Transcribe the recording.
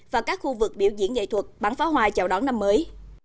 và các khu vực biểu diễn nghệ thuật bắn phá hoa chào đón năm mới